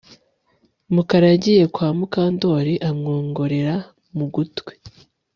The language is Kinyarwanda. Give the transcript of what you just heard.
Mukara yagiye kwa Mukandoli amwongorera mu gutwi